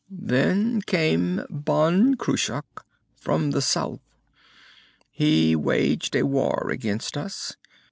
"Then came Ban Cruach, from the south.... "He waged a war against us.